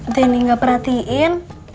denny gak perhatiin